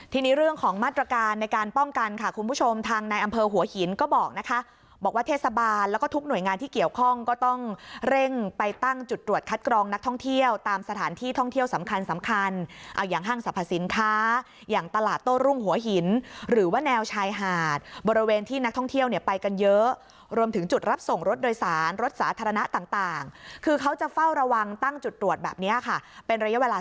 ที่นี้เรื่องของมาตรการในการป้องกันค่ะคุณผู้ชมทางในอำเภอหัวหินก็บอกนะคะบอกว่าเทศบาลแล้วก็ทุกหน่วยงานที่เกี่ยวข้องก็ต้องเร่งไปตั้งจุดตรวจคัดกรองนักท่องเที่ยวตามสถานที่ท่องเที่ยวสำคัญสำคัญอย่างห้างสรรพสินค้าอย่างตลาดโต้รุ่งหัวหินหรือว่าแนวชายหาดบริเวณที่นักท่องเที่ยวเน